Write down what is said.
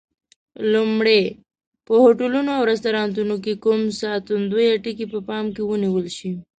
لومړی: په هوټلونو او رستورانتونو کې کوم ساتندویه ټکي په پام کې ونیول شي؟